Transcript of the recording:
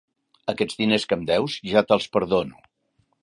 Aquests diners que em deus, ja te'ls perdono.